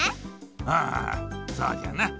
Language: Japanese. ああそうじゃな。